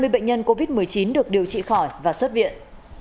hai mươi bệnh nhân covid một mươi chín được điều trị khỏi và xuất viện